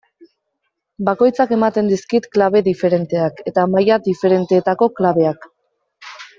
Bakoitzak ematen dizkit klabe diferenteak, eta maila diferentetako klabeak.